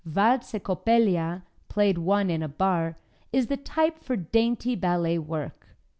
"Valse Coppelia," played one in a bar, is the type for dainty Ballet work.